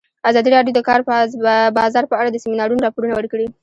ازادي راډیو د د کار بازار په اړه د سیمینارونو راپورونه ورکړي.